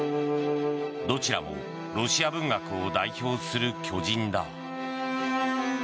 どちらもロシア文学を代表する巨人だ。